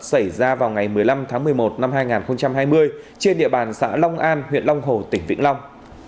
xảy ra vào ngày một mươi năm tháng một mươi một năm hai nghìn hai mươi trên địa bàn xã long an huyện long hồ tỉnh vĩnh long